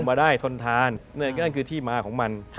มาได้ทนทานนั่นคือที่มาของมัน